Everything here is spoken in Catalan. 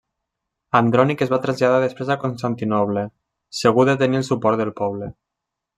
Andrònic es va traslladar després a Constantinoble, segur de tenir el suport del poble.